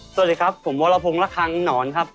สวัสดีครับผมโบรพุงณครังหนอนครับ